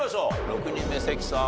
６人目関さん